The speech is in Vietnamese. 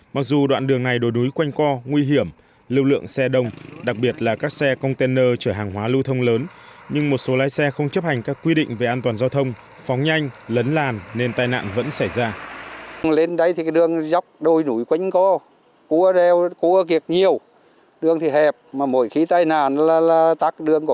mặc dù đoạn đường này đồi núi quanh co nguy hiểm lưu lượng xe đông đặc biệt là các xe container chở hàng hóa lưu thông lớn nhưng một số lái xe không chấp hành các quy định về an toàn giao thông phóng nhanh lấn làn nên tai nạn vẫn xảy ra